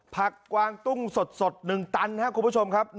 พักกวางตุ้งสด๑ตันนี่ฮะคุณผู้ชมครับ